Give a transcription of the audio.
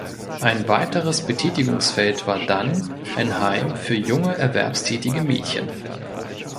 Ein weiteres Betätigungsfeld war dann ein Heim für junge erwerbstätige Mädchen.